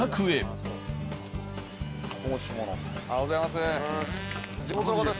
ああおはようございます。